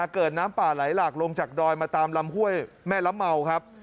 เกิดน้ำป่าไหลหลากลงจากดอยมาตามลำห้วยแม่ละเมาครับ